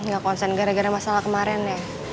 gak konsen gara gara masalah kemarin ya